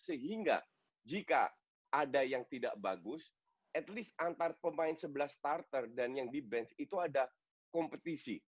sehingga jika ada yang tidak bagus at least antar pemain sebelah starter dan yang di bench itu ada kompetisi